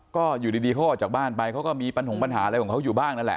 ก็อยู่ดีเขาออกจากบ้านไปเขาก็มีปัญหาอะไรของเขาอยู่บ้างนั่นแหละ